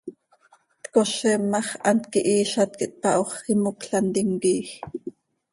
Tcozim ma x, hant quihiizat quih tpaho x, imocl hant imquiij.